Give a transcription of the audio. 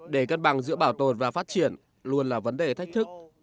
để cân bằng giữa bảo tồn và phát triển luôn là vấn đề thách thức